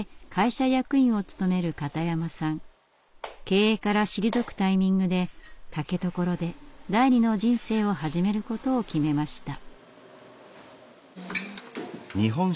経営から退くタイミングで竹所で第二の人生を始めることを決めました。